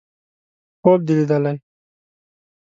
_خوب دې ليدلی!